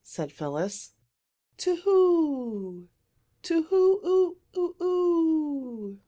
said Phyllis. "To who? To who ooo oo oo?"